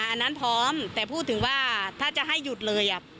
อันนั้นพร้อมแต่พูดถึงว่าถ้าจะให้หยุดเลย